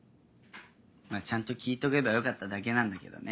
まぁちゃんと聞いとけばよかっただけなんだけどね。